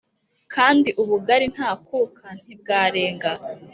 kandi ubugali ntakuka ntibwarenga m ,